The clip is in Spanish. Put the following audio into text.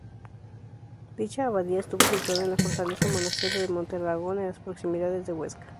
Dicha Abadía estuvo situada en la Fortaleza-monasterio de Montearagón, en las proximidades de Huesca.